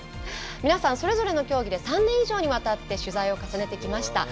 皆さん、それぞれの競技で３年以上にわたって取材を重ねてきました。